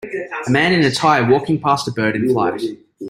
A man in a tie walking past a bird in flight.